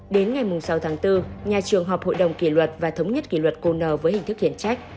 đến ngày sáu tháng bốn nhà trường họp hội đồng kỷ luật và thống nhất kỷ luật côn n với hình thức khiển trách